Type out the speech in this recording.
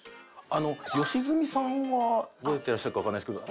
良純さんは覚えてらっしゃるかわかんないですけど。